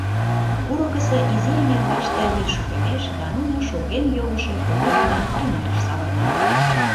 Курыкысо изи эҥерлаште вӱд шукемеш, да нуно шурген йогышо кугу вӱдан эҥерыш савырнат.